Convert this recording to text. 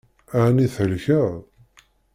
Ɛni thelkeḍ?